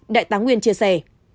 đại tá nguyên chia sẻ